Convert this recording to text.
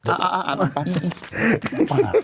อ้าวอ้าวอ้าวอ้าว